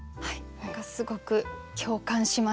何かすごく共感しました。